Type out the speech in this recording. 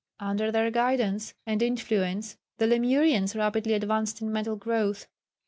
Under their guidance and influence the Lemurians rapidly advanced in mental growth.